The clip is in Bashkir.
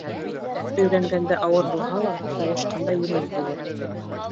Өйрәнгәндә ауыр булһа ла, һуғышҡанда еңел булыр.